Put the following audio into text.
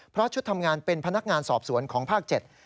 เพราะชุดทำงานเป็นพนักงานสอบสวนของภาค๗